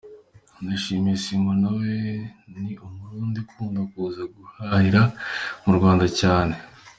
Ndayishimiye Simon nawe ni Umurundi ukunda kuza guhahira mu Rwanda cyane.